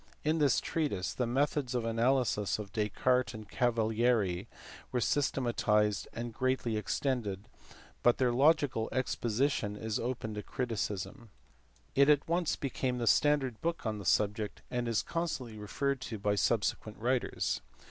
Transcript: In this treatise the methods of analysis of Descartes and Cavalieri were systematized and greatly extended, but their logical exposition is open to criticism. It at once became the standard book on the subject, and is constantly referred to by subsequent writers.